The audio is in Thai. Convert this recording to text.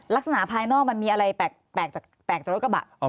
ภายนอกมันมีอะไรแปลกจากรถกระบะ